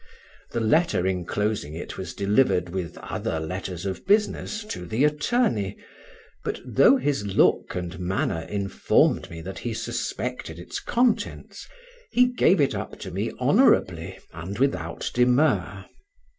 The letter enclosing it was delivered with other letters of business to the attorney, but though his look and manner informed me that he suspected its contents, he gave it up to me honourably and without demur.